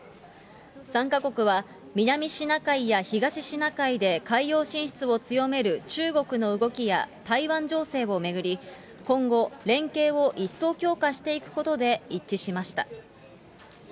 ３か国は、南シナ海や東シナ海で海洋進出を強める中国の動きや、台湾情勢を巡り、今後、連携を一層強化していくことで一致しました。